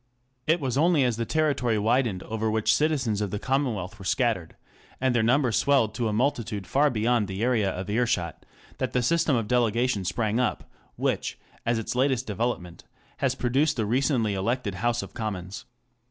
It was only as the territory widened over which citizens of the commonwealth were scattered, and their numbers swelled to a multitude far beyond the area of earshot, that the system of delegation sprang up, which, as its latest development, Digitized by Google 654 THE CONTEMPORARY REVIEW. has produced the recently elected House of Commons.